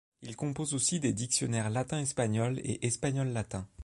Il compose aussi des dictionnaires latin-espagnol et espagnol-latin.